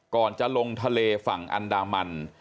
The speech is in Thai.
ก่อนจะลงทะเลฝั่งอันดามัน